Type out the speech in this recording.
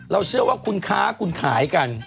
เชื่อว่าคุณค้าคุณขายกัน